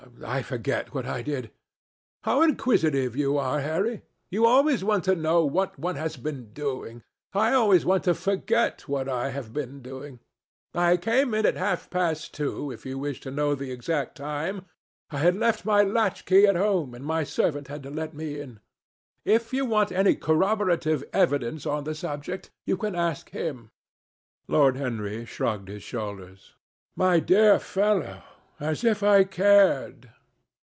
I forget what I did.... How inquisitive you are, Harry! You always want to know what one has been doing. I always want to forget what I have been doing. I came in at half past two, if you wish to know the exact time. I had left my latch key at home, and my servant had to let me in. If you want any corroborative evidence on the subject, you can ask him." Lord Henry shrugged his shoulders. "My dear fellow, as if I cared!